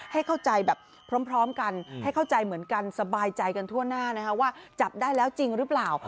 ให้เข้าใจแบบพร้อมกันให้เข้าใจเหมือนกันสบายใจกันทั่วหน้านะคะว่าจับได้แล้วจริงหรือเปล่า